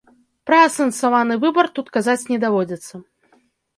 Пра асэнсаваны выбар тут казаць не даводзіцца.